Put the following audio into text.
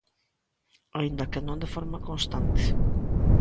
Aínda que non de forma constante.